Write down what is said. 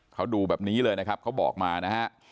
เขาดูแบบนี้เลยนะครับเขาบอกมานะฮะ